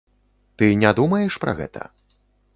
Ты не думаеш пра гэта?